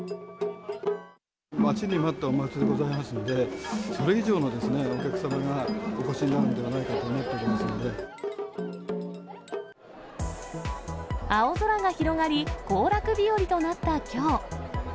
待ちに待ったお祭りでございますので、それ以上のお客様がお越しになるのではないかと思って青空が広がり、行楽日和となったきょう。